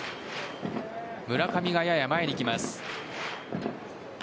村上がやや前に来ます。